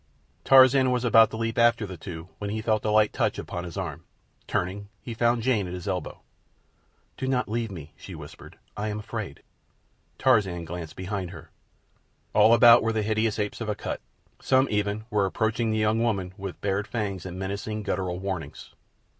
Tarzan was about to leap after the two when he felt a light touch upon his arm. Turning, he found Jane at his elbow. "Do not leave me," she whispered. "I am afraid." Tarzan glanced behind her. All about were the hideous apes of Akut. Some, even, were approaching the young woman with bared fangs and menacing guttural warnings.